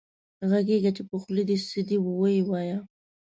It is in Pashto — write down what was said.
غږېږه چې په خولې دې څه دي وې وايه